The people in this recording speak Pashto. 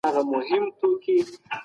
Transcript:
په اوړي کې وریښتان ژر وده کوي.